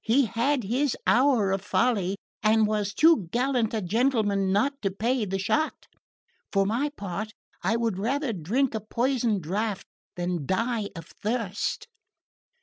He had his hour of folly, and was too gallant a gentleman not to pay the shot. For my part I would rather drink a poisoned draught than die of thirst."